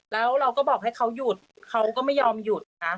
แล้วเราก็บอกให้เขาหยุดเขาก็ไม่ยอมหยุดนะคะ